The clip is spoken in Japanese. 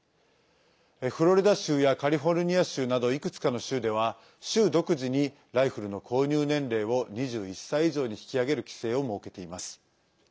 フロリダ州やカリフォルニア州などいくつかの州では州独自に、ライフルの購入年齢を２１歳以上に引き上げる規制を設けています。